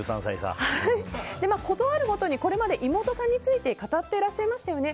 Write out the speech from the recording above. ことあるごとにこれまで妹さんについて語っていらっしゃいましたよね。